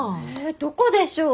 どこでしょう？